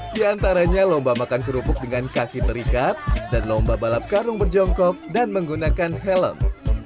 di antaranya lomba makan kerupuk dengan kaki terikat dan lomba balap karung berjongkok dan menggunakan helm